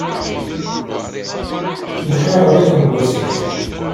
Lḥiɣ rrif n wasif.